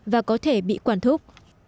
và có thể bị quản thúc